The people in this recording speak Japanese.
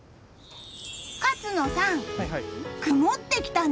勝野さん、曇ってきたね！